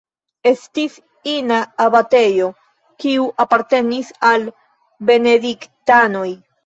Estis ina abatejo, kiu apartenis al benediktanoj.